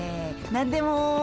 何でも。